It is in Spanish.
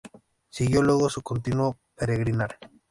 Siguió luego su continuo peregrinar.